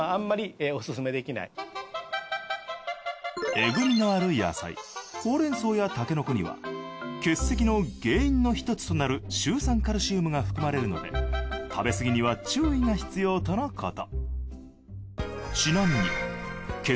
えぐみのある野菜ホウレンソウやタケノコには結石の原因のひとつとなるシュウ酸カルシウムが含まれるので食べ過ぎには注意が必要とのこと。